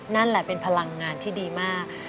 นั่นแหละเป็นพลังงานที่ดีมาก